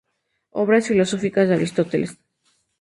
Obras filosóficas de Aristóteles.